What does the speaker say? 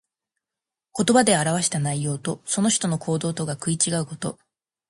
言葉で表した内容と、その人の行動とが食い違うこと。